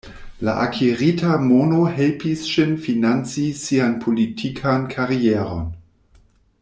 La akirita mono helpis ŝin financi sian politikan karieron.